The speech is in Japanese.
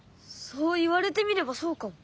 そう言われてみればそうかも。